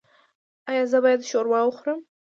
ایا زه باید شوروا وخورم؟